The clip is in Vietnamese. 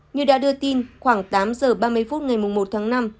như đã đưa tin khoảng tám giờ ba mươi phút ngày một tháng năm